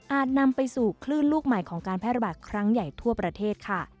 นำไปสู่คลื่นลูกใหม่ของการแพร่ระบาดครั้งใหญ่ทั่วประเทศค่ะ